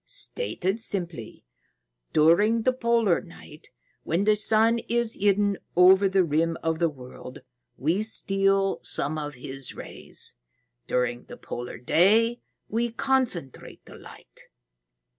Stated simply, during the polar night, when the sun is hidden over the rim of the world, we steal some of his rays; during the polar day we concentrate the light."